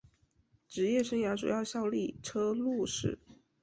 职业生涯主要效力车路士。